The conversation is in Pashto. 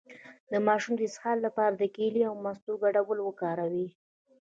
د ماشوم د اسهال لپاره د کیلې او مستو ګډول وکاروئ